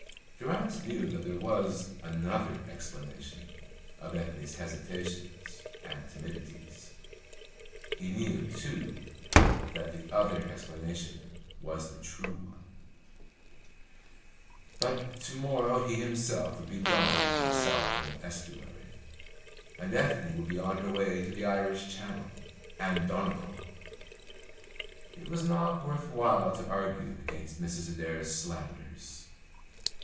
Durrance knew that there was another explanation of Ethne's hesitations and timidities. He knew, too, that the other explanation was the true one. But to morrow he himself would be gone from the Salcombe estuary, and Ethne would be on her way to the Irish Channel and Donegal. It was not worth while to argue against Mrs. Adair's slanders.